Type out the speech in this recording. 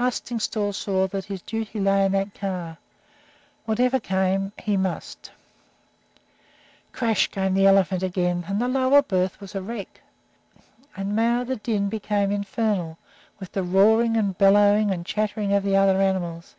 Arstingstall saw that his duty lay in that car. Whatever came, he must Crash! came the elephant again, and the lower berth was a wreck. And now the din became infernal with the roaring and bellowing and chattering of the other animals.